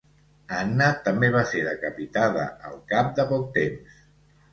Anna també va ser decapitada al cap de poc temps.